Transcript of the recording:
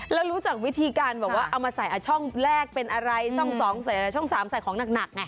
แล้วรู้จักวิธีการแบบว่าเอามาใส่ช่องแรกเป็นอะไรช่อง๒ใส่ช่อง๓ใส่ของหนักไง